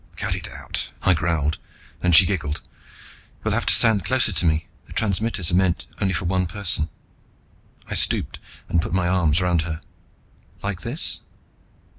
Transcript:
"Cut it out," I growled, and she giggled. "You'll have to stand closer to me. The transmitters are meant only for one person." I stooped and put my arms round her. "Like this?"